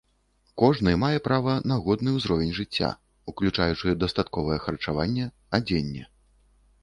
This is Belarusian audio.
Кожны мае права на годны ўзровень жыцця, уключаючы дастатковае харчаванне, адзенне.